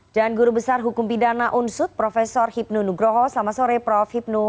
dan guru besar hukum pidana unsut prof hipnu nugroho selamat sore prof hipnu